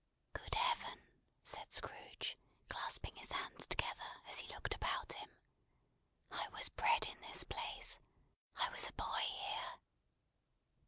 "Good Heaven!" said Scrooge, clasping his hands together, as he looked about him. "I was bred in this place. I was a boy here!"